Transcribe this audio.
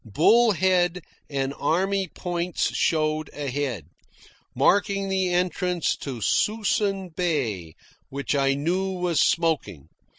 Bull Head and Army Points showed ahead, marking the entrance to Suisun Bay which I knew was smoking.